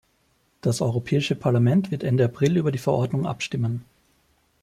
Das Europäische Parlament wird Ende April über die Verordnung abstimmen.